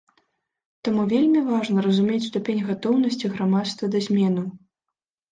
Таму вельмі важна разумець ступень гатоўнасці грамадства да зменаў.